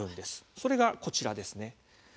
それがこちらです。